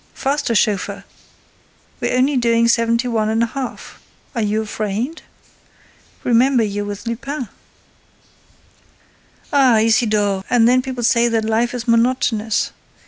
—Faster, chauffeur: we're only doing seventy one and a half!—Are you afraid? Remember you're with Lupin!—Ah, Isidore, and then people say that life is monotonous!